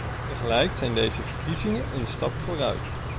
Tegelijkertijd zijn deze verkiezingen een stap vooruit.